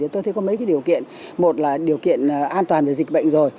tôi thấy có mấy cái điều kiện một là điều kiện an toàn về dịch bệnh rồi